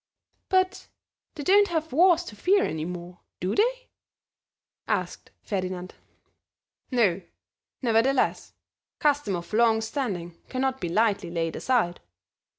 "But they don't have wars to fear any more, do they?" asked Ferdinand. "No. Nevertheless custom of long standing cannot be lightly laid aside.